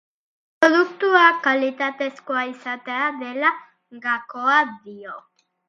Produktua kalitatezkoa izatea dela gakoa dio.